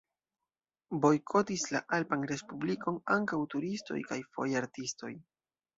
Bojkotis la alpan respublikon ankaŭ turistoj kaj foje artistoj.